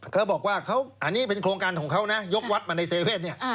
เขาบอกว่าอันนี้เป็นโครงการของเขานะยกวัดมาในเวทเนี่ย